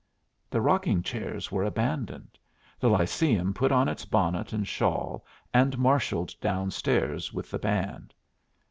The rocking chairs were abandoned; the Lyceum put on its bonnet and shawl, and marshalled down stairs with the band.